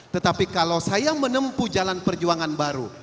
tetapi kalau saya menempuh jalan perjuangan baru